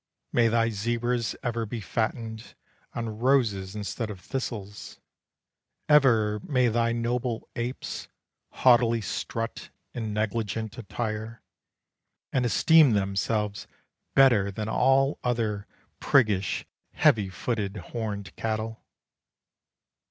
May thy zebras ever be fattened On roses instead of thistles. Ever may thy noble apes Haughtily strut in negligent attire, And esteem themselves better than all other Priggish heavy footed, horned cattle.